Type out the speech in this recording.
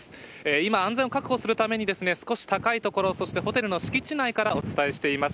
今、安全を確保するために、少し高い所、そしてホテルの敷地内からお伝えしています。